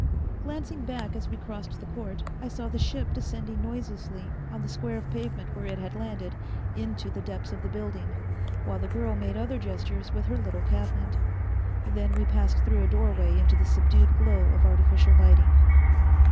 Glancing back as we crossed the court, I saw the ship descending noiselessly, on the square of pavement where it had landed, into the depths of the building, while the girl made other gestures with her little cabinet. Then we passed through a doorway into the subdued glow of artificial lighting.